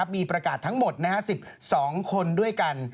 มีประกาศทั้งหมด๑๒คนด้วยกัน